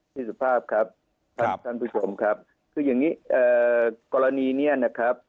สุภาพครับท่านท่านผู้ชมครับคืออย่างนี้กรณีนี้นะครับ